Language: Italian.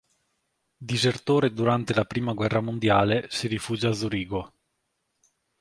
Disertore durante la prima guerra mondiale si rifugia a Zurigo.